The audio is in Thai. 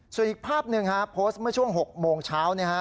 ส่วนอีกภาพหนึ่งเพราะว่าช่วง๑๘อเช้า